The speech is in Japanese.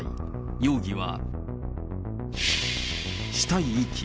容疑は死体遺棄。